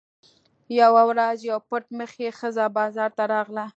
یوه ورځ یوه پټ مخې ښځه بازار ته راغله.